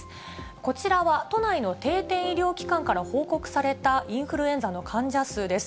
こちらは都内の定点医療機関から報告されたインフルエンザの患者数です。